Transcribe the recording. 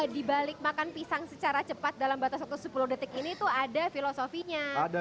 di balik makan pisang secara cepat dalam batas waktu sepuluh detik ini tuh ada filosofinya